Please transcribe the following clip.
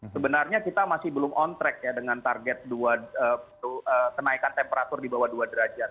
sebenarnya kita masih belum on track ya dengan target kenaikan temperatur di bawah dua derajat